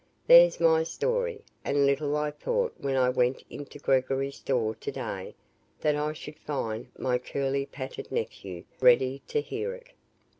There's my story; and little I thought when I went into Gregory's store to day, that I should find my curly pated nephew ready to hear it."